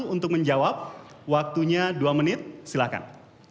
untuk menjawab waktunya dua menit silahkan